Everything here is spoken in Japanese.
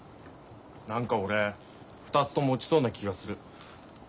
何か俺２つとも落ちそうな気がする。